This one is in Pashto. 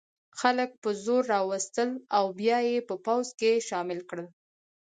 خلک په زور را وستل او بیا یې په پوځ کې شامل کړل.